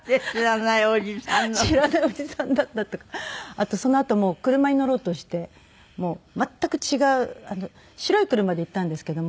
あとそのあとも車に乗ろうとして全く違う白い車で行ったんですけども。